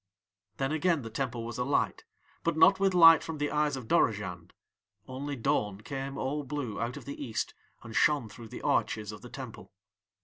"Then again the Temple was alight, but not with light from the eyes of Dorozhand; only dawn came all blue out of the East and shone through the arches of the Temple.